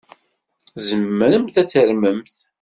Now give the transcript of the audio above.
Tzemremt ad tarmemt?